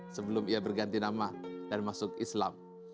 sebelum ia berganti nama dan masuk islam